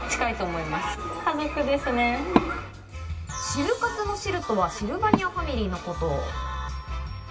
シル活の「シル」とはシルバニアファミリーのこと。